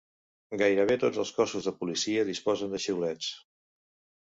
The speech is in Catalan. Gairebé tots els cossos de policia disposen de xiulets.